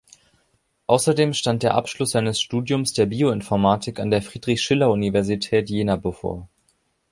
Außerdem stand der Abschluss seines Studiums der Bioinformatik an der Friedrich-Schiller-Universität Jena bevor.